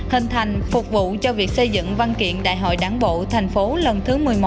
hình thành phục vụ cho việc xây dựng văn kiện đại hội đảng bộ thành phố lần thứ một mươi một